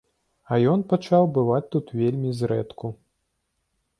А ён пачаў бываць тут вельмі зрэдку.